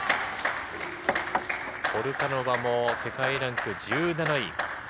ポルカノバも世界ランク１７位。